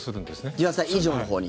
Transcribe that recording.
１８歳以上のほうに。